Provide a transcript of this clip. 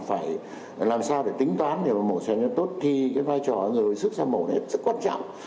phải làm sao để tính toán để mà mổ xe nhân tốt thì cái vai trò người hồi sức ra mổ này rất quan trọng